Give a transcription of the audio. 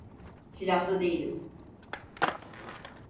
Silahlı değilim.